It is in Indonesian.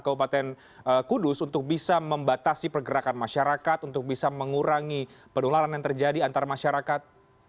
kabupaten kudus untuk bisa membatasi pergerakan masyarakat untuk bisa mengurangi penularan yang terjadi antar masyarakat